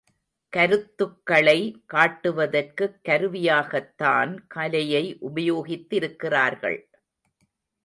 கருத்துக்களை காட்டுவதற்குக் கருவியாகத்தான் கலையை உபயோகித்திருக்கிறார்கள்.